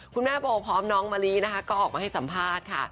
คุณแม่โบพร้อมน้องมะลินะคะก็ออกมาให้สัมภาษณ์ค่ะ